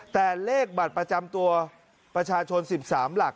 แต่เลขบัตรประจำตัวประชาชน๑๓หลัก